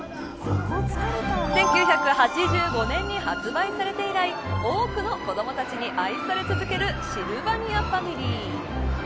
１９８５年に発売されて以来多くの子どもたちに愛され続けるシルバニアファミリー。